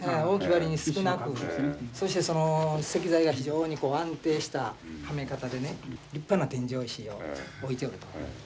そしてその石材が非常に安定したはめ方でね立派な天井石を置いておると。